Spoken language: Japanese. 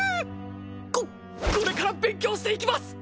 ここれから勉強していきます！